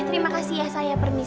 terima kasih ya saya pernis